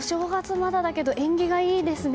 まだだけど縁起がいいですね。